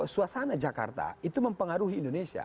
suasana jakarta itu mempengaruhi indonesia